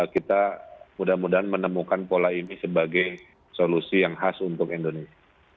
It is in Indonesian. kita mudah mudahan menemukan pola ini sebagai solusi yang khas untuk indonesia